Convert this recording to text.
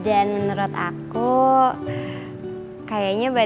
aku juga suka sama dia